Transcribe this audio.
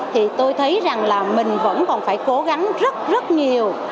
thì tôi thấy rằng là mình vẫn còn phải cố gắng rất rất nhiều